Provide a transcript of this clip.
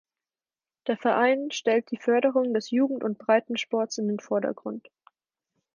Der Verein stellt die Förderung des Jugend- und Breitensports in den Vordergrund.